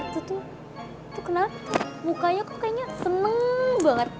tuh tuh tuh kenapa tuh mukanya kok kayaknya seneng banget